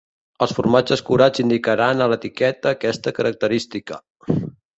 Els formatges curats indicaran a l'etiqueta aquesta característica.